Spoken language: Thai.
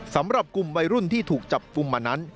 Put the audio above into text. สำหรับกลุ่มวัยรุ่นที่ถูกจับกลุ่มมานั้น